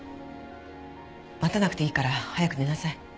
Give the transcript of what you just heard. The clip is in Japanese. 待たなくていいから早く寝なさい。